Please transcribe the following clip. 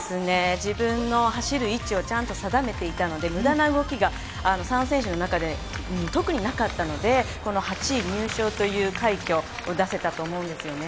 自分の走る位置をちゃんと定めていたので、無駄な動きが３選手の中で特になかったので８位入賞という快挙を出せたと思います。